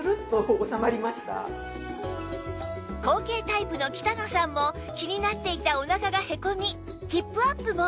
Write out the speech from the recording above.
後傾タイプの北野さんも気になっていたお腹がへこみヒップアップも！